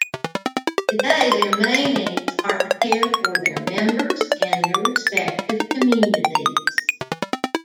Today their main aims are to care for their members and their respective communities.